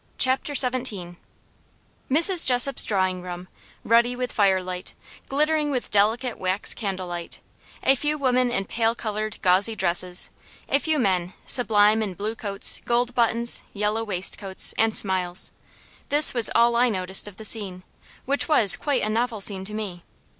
CHAPTER XVII Mrs. Jessop's drawing room, ruddy with fire light, glittering with delicate wax candle light; a few women in pale coloured gauzy dresses, a few men, sublime in blue coats, gold buttons, yellow waistcoats, and smiles this was all I noticed of the scene, which was quite a novel scene to me.